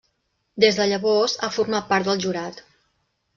Des de llavors ha format part del jurat.